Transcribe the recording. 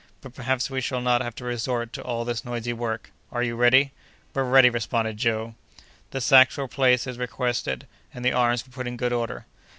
But perhaps we shall not have to resort to all this noisy work. Are you ready?" "We're ready," responded Joe. The sacks were placed as requested, and the arms were put in good order.